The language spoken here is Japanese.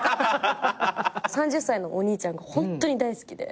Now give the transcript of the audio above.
３０歳のお兄ちゃんがホントに大好きで。